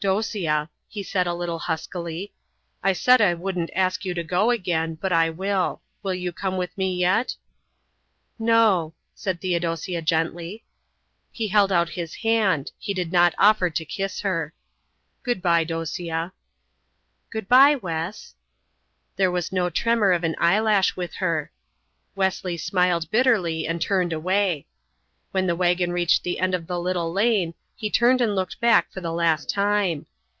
"Dosia," he said a little huskily, "I said I wouldn't ask you to go again, but I will. Will you come with me yet?" "No," said Theodosia gently. He held out his hand. He did not offer to kiss her. "Goodbye, Dosia." "Goodbye, Wes." There was no tremor of an eyelash with her. Wesley smiled bitterly and turned away. When the wagon reached the end of the little lane he turned and looked back for the last time.